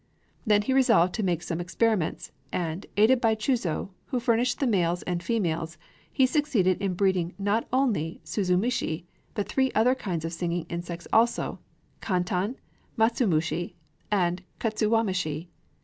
Then he resolved to make some experiments; and, aided by Chūzō, who furnished the males and females, he succeeded in breeding not only suzumushi, but three other kinds of singing insects also, kantan, matsumushi, and kutsuwamushi.